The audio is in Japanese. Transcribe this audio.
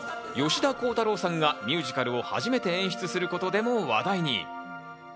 吉田鋼太郎さんがミュージカルを初めて演出することでも話題に。